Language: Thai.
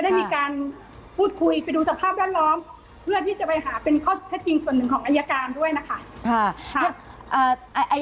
ได้มีการพูดคุยไปดูสภาพแวดล้อมเพื่อที่จะไปหาเป็นข้อเท็จจริงส่วนหนึ่งของอายการด้วยนะคะ